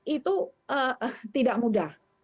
itu tidak mudah